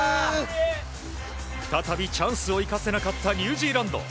再びチャンスを生かせなかったニュージーランド。